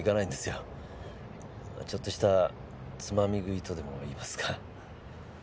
ちょっとしたつまみ食いとでもいいますか。